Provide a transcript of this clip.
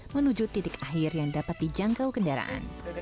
menuju titik akhir yang dapat dijangkau kendaraan